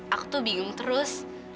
aku tuh bingung terus